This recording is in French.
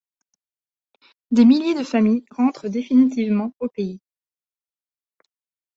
Des milliers de familles rentrent définitivement au pays.